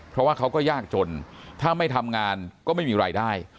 เพราะว่าเขาก็ยากจนถ้าไม่ทำงานก็ไม่มีรายได้